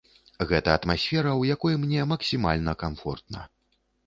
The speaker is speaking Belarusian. Гэта атмасфера, у якой мне максімальна камфортна.